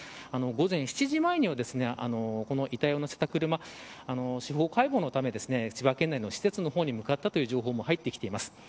午前７時前には遺体をのせた車司法解剖のため千葉県内の施設の方に向かったという情報も入ってきています。